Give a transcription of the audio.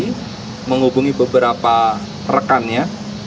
kami menghubungi beberapa rekannya